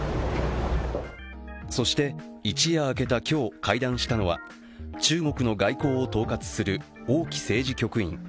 そして一夜明けた今日、会談したのは中国の外交を統括する王毅政治局員。